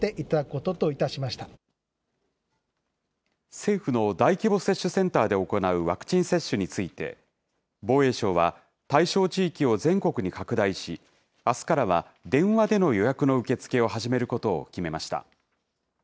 政府の大規模接種センターで行うワクチン接種について、防衛省は対象地域を全国に拡大し、あすからは、電話での予約の受け付けを始めることを決めました。